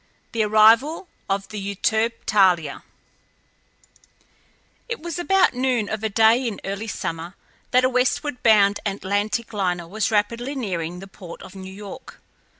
THE ARRIVAL OF THE EUTERPE THALIA It was about noon of a day in early summer that a westward bound Atlantic liner was rapidly nearing the port of New York.